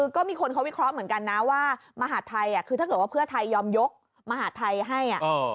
ก็มีคนเขาวิเคราะห์เหมือนกันนะว่ามหาดไทยคือถ้าเกิดว่าเพื่อไทยยอมยกมหาดไทยให้